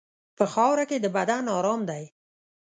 په خاوره کې د بدن ارام دی.